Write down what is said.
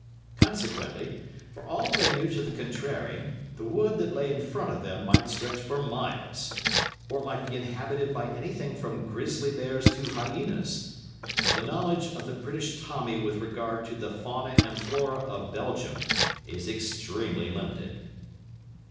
Consequently, for all they knew to the contrary, the wood that lay in front of them might stretch for miles, or might be inhabited by anything from grizly bears to hyænas—for the knowledge of the British "Tommy" with regard to the fauna and flora of Belgium is extremely limited.